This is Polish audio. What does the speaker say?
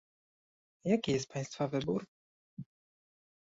Jaki jest państwa wybór?